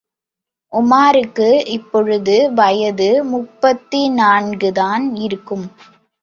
உமாருக்கு இப்பொழுது வயது முப்பத்தினான்குதான் இருக்கும்.